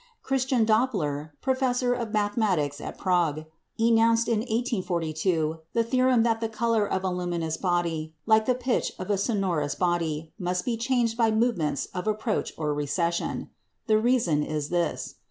Christian Doppler, professor of mathematics at Prague, enounced in 1842 the theorm that the colour of a luminous body, like the pitch of a sonorous body, must be changed by movements of approach or recession. The reason is this.